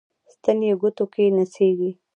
ستن یې ګوتو کې نڅیږي